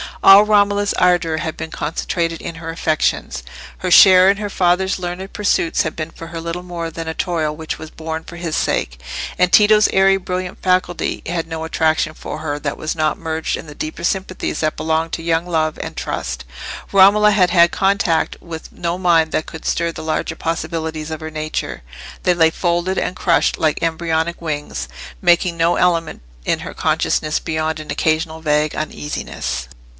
All Romola's ardour had been concentrated in her affections. Her share in her father's learned pursuits had been for her little more than a toil which was borne for his sake; and Tito's airy brilliant faculty had no attraction for her that was not merged in the deeper sympathies that belong to young love and trust. Romola had had contact with no mind that could stir the larger possibilities of her nature; they lay folded and crushed like embryonic wings, making no element in her consciousness beyond an occasional vague uneasiness.